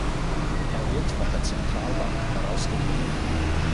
Er wird von der Zentralbank herausgegeben.